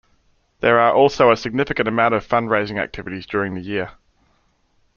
There are also a significant amount of fund-raising activities during the year.